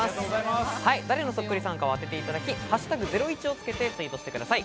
誰のそっくりさんかを当てていただき「＃ゼロイチ」をつけてツイートしてください。